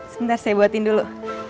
sebentar saya buatin dulu